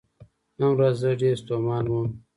نن ورځ زه ډیر ستومان وم .